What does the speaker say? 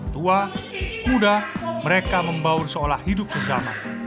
tua muda mereka membaur seolah hidup sesama